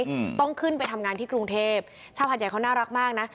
อืมต้องขึ้นไปทำงานที่กรุงเทพชาวหาดใหญ่เขาน่ารักมากน่ะ